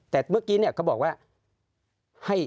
แต่เมื่อกี้เขาบอกว่า